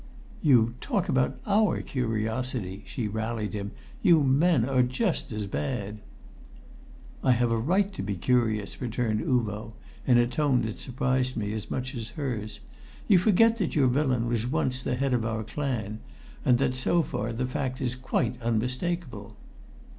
"You talk about our curiosity," she rallied him. "You men are just as bad!" "I have a right to be curious," returned Uvo, in a tone that surprised me as much as hers. "You forget that your villain was once the head of our clan, and that so far the fact is quite unmistakable."